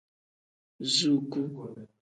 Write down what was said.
Zuuku.